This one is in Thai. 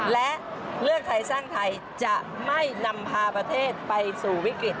และเลือกไทยสร้างไทยจะไม่นำพาประเทศไปสู่วิกฤต